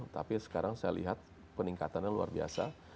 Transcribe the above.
tapi sekarang saya lihat peningkatannya luar biasa